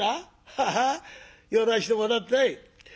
ハハッ寄らしてもらったい」。